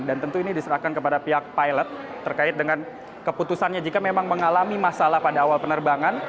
dan tentu ini diserahkan kepada pihak pilot terkait dengan keputusannya jika memang mengalami masalah pada awal penerbangan